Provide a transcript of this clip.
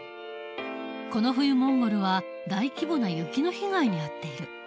この冬モンゴルは大規模な雪の被害に遭っている。